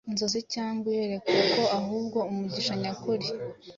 inzozi cyangwa iyerekwa, ko ahubwo umugisha nyakuri.